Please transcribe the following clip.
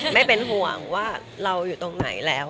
ไม่เป็นห่วงว่าเราอยู่ตรงไหนแล้ว